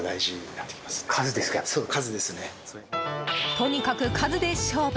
とにかく数で勝負！